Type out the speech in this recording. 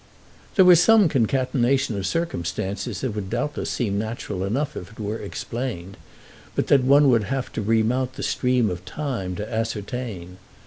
"There was some concatenation of circumstances that would doubtless seem natural enough if it were explained, but that one would have to remount the stream of time to ascertain.